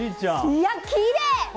いや、きれい！